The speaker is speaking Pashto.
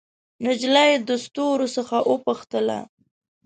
نجلۍ د ستورو څخه وپوښتله